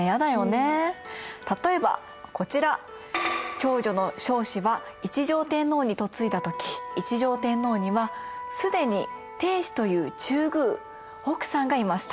長女の彰子は一条天皇に嫁いだ時一条天皇には既に定子という中宮奥さんがいました。